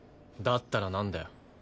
だったらなんだよ。